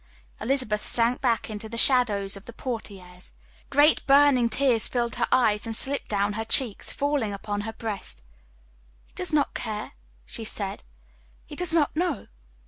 Elizabeth sank back into the shadow of the portières. Great burning tears filled her eyes and slipped down her cheeks, falling upon her breast. "He does not care," she said; "he does not know.